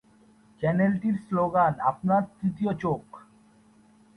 চ্যানেলটির স্লোগান: "আপনার তৃতীয় চোখ"।